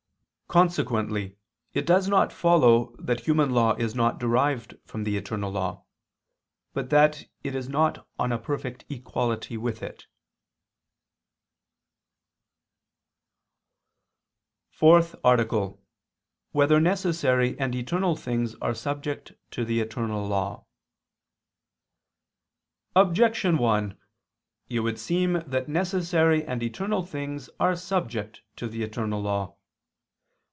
Consequently it does not follow that human law is not derived from the eternal law, but that it is not on a perfect equality with it. ________________________ FOURTH ARTICLE [I II, Q. 93, Art. 4] Whether Necessary and Eternal Things Are Subject to the Eternal Law? Objection 1: It would seem that necessary and eternal things are subject to the eternal law.